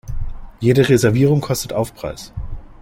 Jede Reservierung kostet Aufpreis.